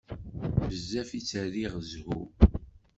Bezzaf i tt-rriɣ zzhu.